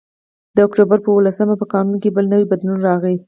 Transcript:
د اکتوبر په اوولسمه په قانون کې بل نوی بدلون راغی